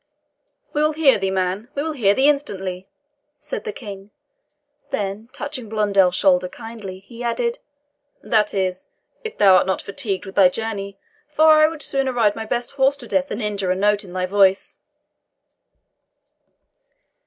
"We will hear thee, man we will hear thee instantly," said the King. Then, touching Blondel's shoulder kindly, he added, "That is, if thou art not fatigued with thy journey; for I would sooner ride my best horse to death than injure a note of thy voice."